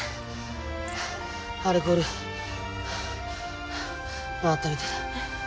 アルコール回ったみたいだ。